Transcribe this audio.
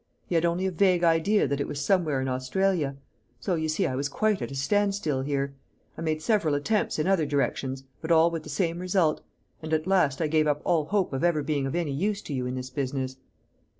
He had only a vague idea that it was somewhere in Australia. So, you see, I was quite at a standstill here. I made several attempts in other directions, but all with the same result; and at last I gave up all hope of ever being of any use to you in this business."